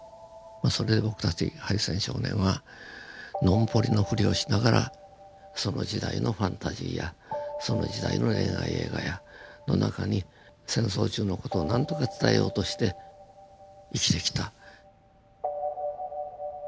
それで僕たち敗戦少年はノンポリのフリをしながらその時代のファンタジーやその時代の恋愛映画の中に戦争中の事を何とか伝えようとして生きてきた。